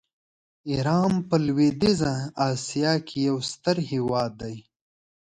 ایران په لویدیځه آسیا کې یو ستر هېواد دی.